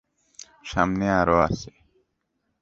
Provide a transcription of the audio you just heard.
সামনে আরও রয়েছে।